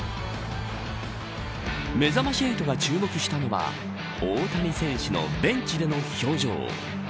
めざまし８が注目したのは大谷選手のベンチでの表情。